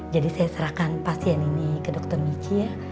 jadi saya serahkan pasien ini ke dokter michi